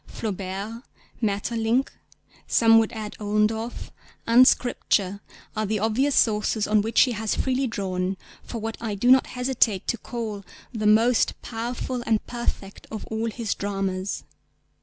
Flaubert, Maeterlinck (some would add Ollendorff) and Scripture, are the obvious sources on which he has freely drawn for what I do not hesitate to call the most powerful and perfect of all his dramas.